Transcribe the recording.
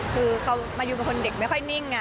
คือเขามายูเป็นคนเด็กไม่ค่อยนิ่ง